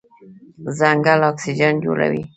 ځنګل اکسیجن جوړوي.